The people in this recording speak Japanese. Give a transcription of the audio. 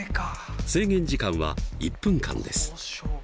制限時間は１分間です。